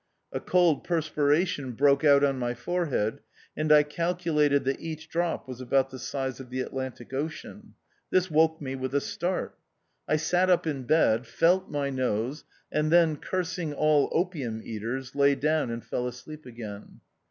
A cold perspiration broke out on my forehead, and I calculated that each drop was about the size of the Atlantic Ocean. This woke me with a start. I sat up in bed, felt my nose, and then cursing all opium eaters, lay down and fell asleep again.